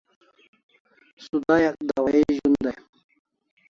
Sudayak dawahi zun dai